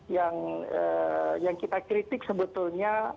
yang kita kritik sebetulnya